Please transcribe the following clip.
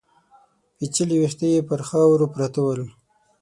پيچلي ويښته يې پر خاورو پراته ول.